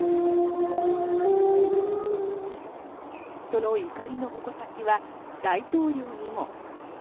その怒りの矛先は大統領にも。